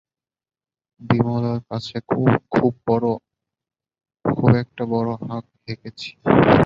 বিমলার কাছে খুব একটা বড়ো হাঁক হেঁকেছি।